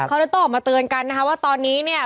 ความรู้ตัวออกมาเตือนกันนะคะว่าตอนนี้เนี่ย